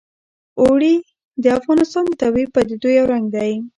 اوړي د افغانستان د طبیعي پدیدو یو رنګ دی.